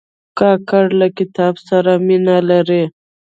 کاکړ له کتاب سره مینه لري.